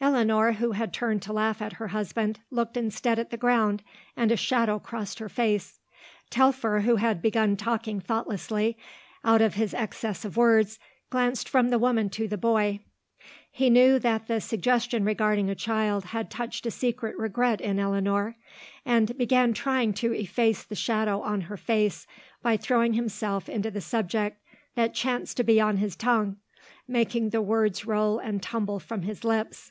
Eleanor, who had turned to laugh at her husband, looked instead at the ground and a shadow crossed her face. Telfer, who had begun talking thoughtlessly, out of his excess of words, glanced from the woman to the boy. He knew that the suggestion regarding a child had touched a secret regret in Eleanor, and began trying to efface the shadow on her face by throwing himself into the subject that chanced to be on his tongue, making the words roll and tumble from his lips.